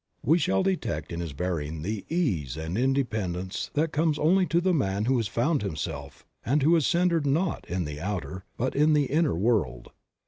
We shall detect in his bearing the ease and independence that comes only to the man who has found himself and who is centered not in the outer but in the inner world.